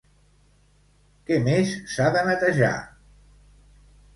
Què més s'ha de netejar?